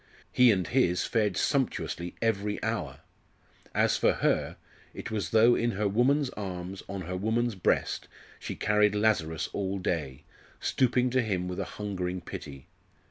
He and his fared sumptuously every hour! As for her, it was as though in her woman's arms, on her woman's breast, she carried Lazarus all day, stooping to him with a hungering pity.